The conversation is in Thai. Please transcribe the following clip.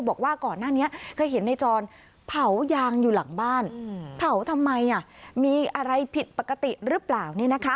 บอกว่าก่อนหน้านี้เคยเห็นในจรเผายางอยู่หลังบ้านเผาทำไมมีอะไรผิดปกติหรือเปล่าเนี่ยนะคะ